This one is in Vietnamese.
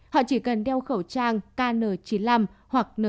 họ chỉ cần đeo khẩu trang kn chín mươi năm hoặc n chín mươi năm